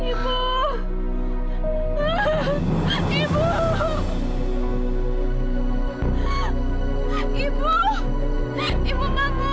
bentar sekalian teman imbu nolak